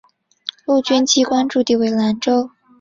陆军机关驻地为兰州。